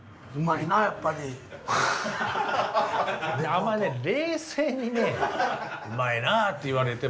あんまりね冷静にねうまいなって言われても。